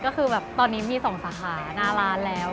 ก็คือแบบตอนนี้มี๒สาขาหน้าร้านแล้ว